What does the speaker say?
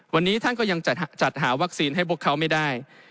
วันนี้ท่านก็ยังจัดหาวัคซีนให้พวกเขาไม่ได้